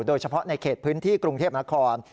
โดยเฉพาะในเขตพื้นที่กรุงเทพนคร